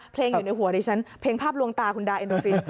เพลงอยู่ในหัวดิฉันเพลงภาพลวงตาคุณดาร์เอ็นโดฟิน